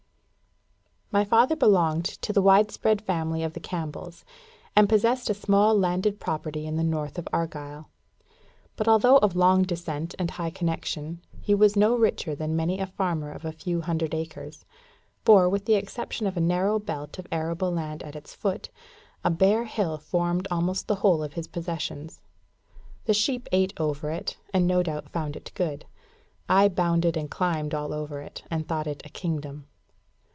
_ My father belonged to the widespread family of the Campbells, and possessed a small landed property in the north of Argyll. But although of long descent and high connection, he was no richer than many a farmer of a few hundred acres. For, with the exception of a narrow belt of arable land at its foot, a bare hill formed almost the whole of his possessions. The sheep ate over it, and no doubt found it good; I bounded and climbed all over it, and thought it a kingdom.